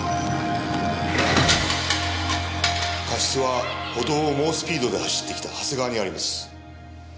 過失は歩道を猛スピードで走ってきた長谷川にあります。